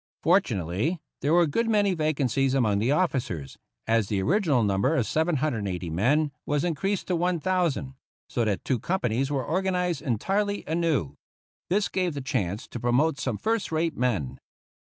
Fortunately, there were a good many vacancies among the officers, as the original number of 780 men was increased to 1,000; so that two companies were organized entirely anew. This gave the chance to promote some first rate men.